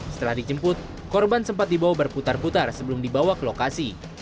setelah dijemput korban sempat dibawa berputar putar sebelum dibawa ke lokasi